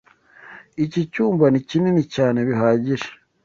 Iki cyumba ni kinini cyane bihagije.